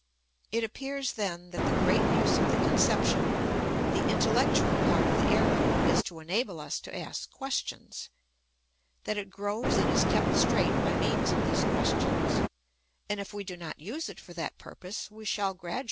It appears then that the great use of the conception, the intellectual part of the heirloom, is to enable us to ask questions ; that it grows and is kept straight by means of these questions ; and if we do not use it for that purpose we shall gradu THE ETHICS OF BELIEF.